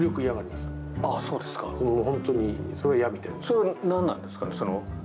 それはなんなんですか。